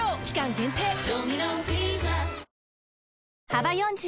幅４０